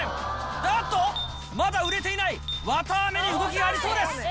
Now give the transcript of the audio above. なんとまだ売れていない綿あめに動きがありそうです。